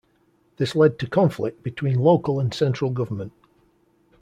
This led to conflict between local and central government.